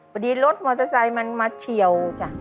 พอดีรถมอเตอร์ไซมันมาเฉียว